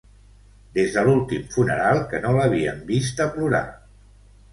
Des de l'últim funeral que no l'havíem vista plorar.